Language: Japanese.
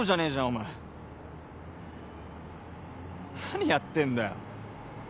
お前何やってんだよ